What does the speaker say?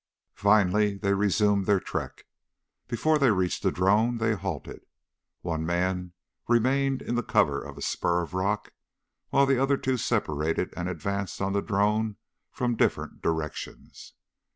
Finally they resumed their trek. Before they reached the drone they halted. One man remained in the cover of a spur of rock while the other two separated and advanced on the drone from different directions.